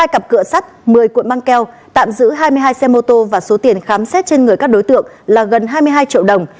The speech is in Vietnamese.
hai cặp cửa sắt một mươi cuộn băng keo tạm giữ hai mươi hai xe mô tô và số tiền khám xét trên người các đối tượng là gần hai mươi hai triệu đồng